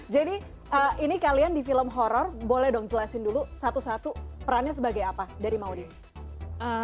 jadi ini kalian di film horror boleh dong jelasin dulu satu satu perannya sebagai apa dari maudie